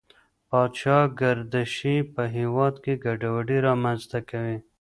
پاچا ګردشي په هېواد کې ګډوډي رامنځته کوي.